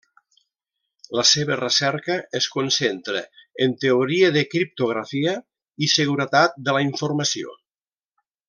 La seva recerca es concentra en teoria de criptografia i seguretat de la informació.